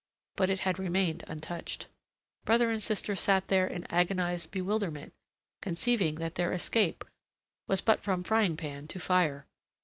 But it had remained untouched. Brother and sister sat there in agonized bewilderment, conceiving that their escape was but from frying pan to fire.